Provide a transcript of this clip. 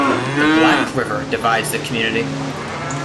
The Black River divides the community.